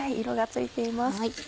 色がついています。